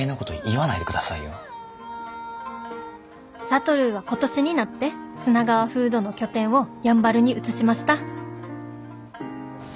「智は今年になってスナガワフードの拠点をやんばるに移しました」。